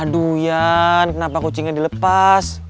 aduyan kenapa kucingnya dilepas